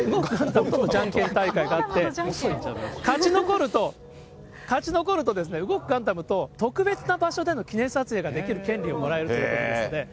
じゃんけん大会があって、勝ち残ると、勝ち残ると、動くガンダムと特別な場所での記念撮影ができる権利をもらえるということですので。